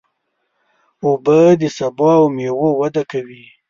اوبه د سبو او مېوو وده کوي.